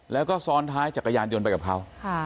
แล้วก็ซ้อนท้ายจักรยานยนต์ไปกับเขา